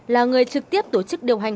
là người trực tiếp tổ chức điều hành